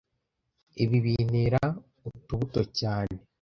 Ibi bintera utubuto cyane